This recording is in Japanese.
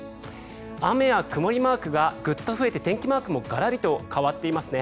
雨や曇りマークがぐっと増えて天気マークもがらりと変わっていますね。